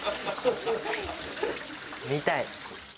見たい。